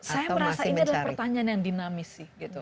saya merasa ini adalah pertanyaan yang dinamis sih